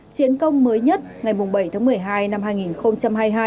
chiến công mới nhất ngày bảy tháng một mươi hai năm hai nghìn hai mươi hai